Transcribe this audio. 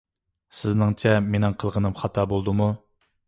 سىزنىڭچە، مېنىڭ قىلغىنىم خاتا بولدىمۇ؟